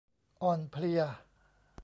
อ่อนเพลีย